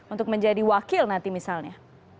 untuk menjadi wakil nanti misalnya